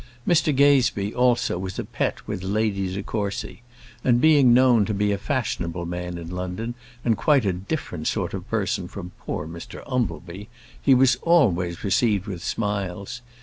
Mr Gazebee also was a pet with Lady de Courcy; and being known to be a fashionable man in London, and quite a different sort of person from poor Mr Umbleby, he was always received with smiles.